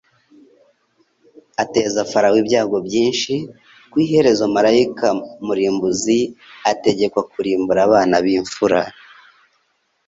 ateza Farawo ibyago byinshi. Ku iherezo Maraika murimbuzi ategekwa kurimbura abana b'imfura